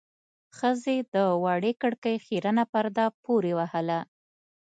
ښځې د وړې کړکۍ خيرنه پرده پورې وهله.